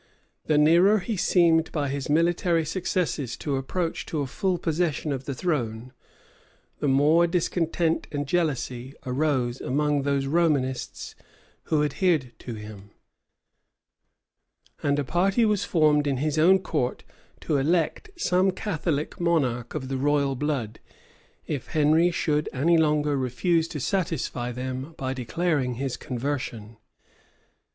The nearer he seemed by his military successes to approach to a full possession of the throne, the more discontent and jealousy arose among those Romanists who adhered to him; and a party was formed in his own court to elect some Catholic monarch of the royal blood, if Henry should any longer refuse to satisfy them by declaring his conversion.